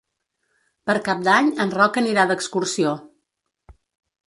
Per Cap d'Any en Roc anirà d'excursió.